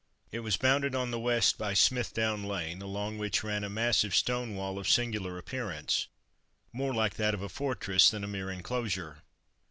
It was bounded on the west by Smithdown lane, along which ran a massive stone wall of singular appearance, more like that of a fortress than a mere enclosure.